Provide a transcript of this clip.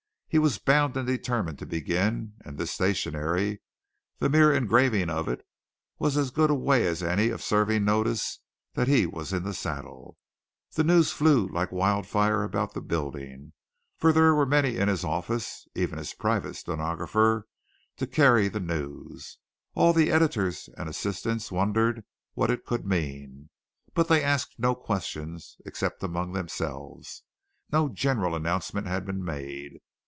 He was bound and determined to begin, and this stationery the mere engraving of it was as good a way as any of serving notice that he was in the saddle. The news flew like wild fire about the building, for there were many in his office, even his private stenographer, to carry the news. All the editors and assistants wondered what it could mean, but they asked no questions, except among themselves. No general announcement had been made.